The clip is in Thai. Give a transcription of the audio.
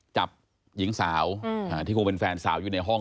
จับหญิงสาวที่คงเป็นแฟนสาวอยู่ในห้อง